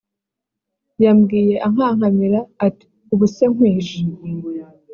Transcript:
yambwiye ankankamira ati ubu se nkwishe